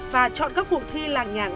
và chọn các cuộc thi làng nhàng